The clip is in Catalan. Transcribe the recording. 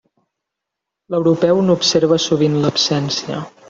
L'europeu n'observa sovint l'absència.